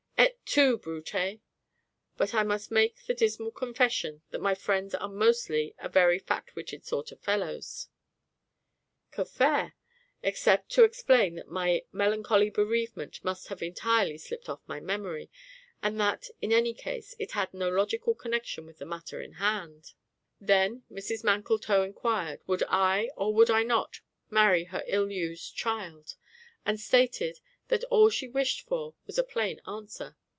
"Et tu, Brute!" But I must make the dismal confession that my friends are mostly a very fat witted sort of fellows. Que faire? except to explain that my melancholy bereavement must have entirely slipped off my memory, and that in any case it had no logical connection with the matter in hand. Then Mrs MANKLETOW inquired, would I, or would I not, marry her illused child? and stated that all she wished for was a plain answer.